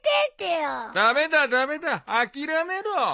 駄目だ駄目だ諦めろ。